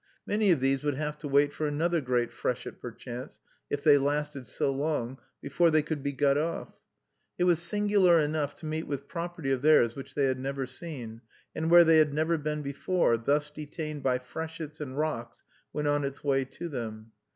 Many of these would have to wait for another great freshet, perchance, if they lasted so long, before they could be got off. It was singular enough to meet with property of theirs which they had never seen, and where they had never been before, thus detained by freshets and rocks when on its way to them.